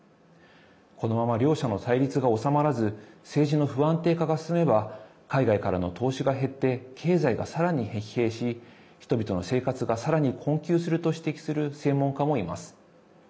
このまま、両者の対立が収まらず政治の不安定化が進めば海外からの投資が減って経済がさらに疲弊し人々の生活がさらに困窮すると指摘する専門家もいます。